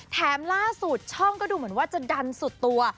ล่าสุดช่องก็ดูเหมือนว่าจะดันสุดตัว